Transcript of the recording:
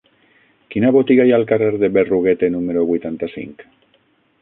Quina botiga hi ha al carrer de Berruguete número vuitanta-cinc?